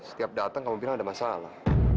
setiap datang kamu bilang ada masalah